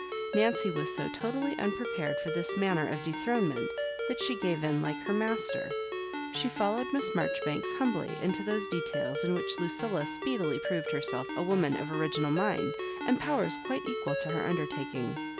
Nancy was so totally unpre pared for this manner of dethronement that she gave in like her master. She followed Miss Mar joribanks humbly into those details in which Lucilla speedily proved herself a woman of ori ginal mind, and powers quite equal to her under taking.